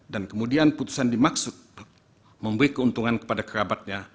dan kemudian putusan dimaksud memberi keuntungan kepada kerabatnya